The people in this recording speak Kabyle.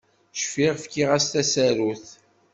Cfiɣ fkiɣ-as tasarut.